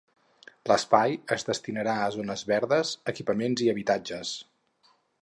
L'espai es destinarà a zones verdes, equipaments i habitatges.